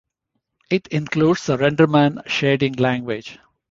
It includes the RenderMan Shading Language.